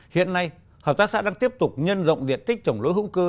hiện nay hợp tác xã đang tiếp tục nhân rộng diện tích trồng lúa hữu cơ